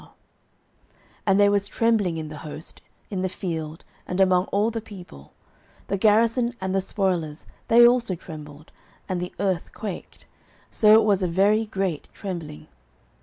09:014:015 And there was trembling in the host, in the field, and among all the people: the garrison, and the spoilers, they also trembled, and the earth quaked: so it was a very great trembling.